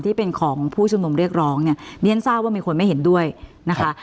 ที่เป็นของผู้ชุมนุมเรียกร้องเนี่ยเรียนทราบว่ามีคนไม่เห็นด้วยนะคะ